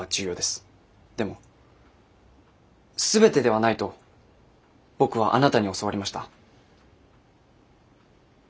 でも全てではないと僕はあなたに教わりました。